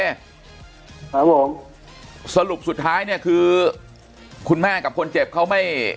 ครับผมสรุปสุดท้ายเนี่ยคือคุณแม่กับคนเจ็บเขาไม่